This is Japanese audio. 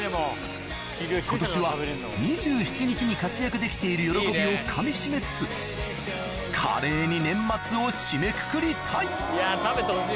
今年は２７日に活躍できている喜びをかみしめつつ華麗に年末を締めくくりたい食べてほしいな。